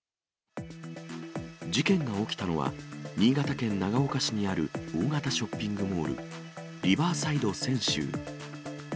事件が起きたのは、新潟県長岡市にある大型ショッピングモール、リバーサイド千秋。